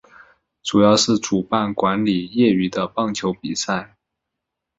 主要是主办管理业余的棒球比赛。